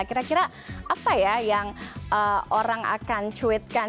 kira kira apa ya yang orang akan cuitkan